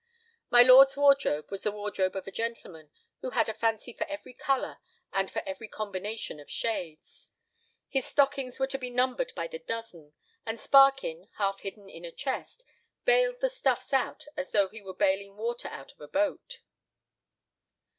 My lord's wardrobe was the wardrobe of a gentleman who had a fancy for every color and for every combination of shades. His stockings were to be numbered by the dozen, and Sparkin, half hidden in a chest, baled the stuffs out as though he were baling water out of a boat.